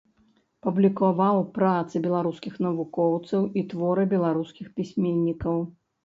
Публікаваў працы беларускіх навукоўцаў і творы беларускіх пісьменнікаў.